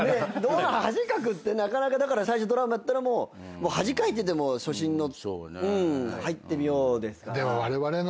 恥かくってなかなかだから最初ドラマやったのも恥かいてでも初心の入ってみようですから。